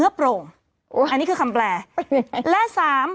กรมป้องกันแล้วก็บรรเทาสาธารณภัยนะคะ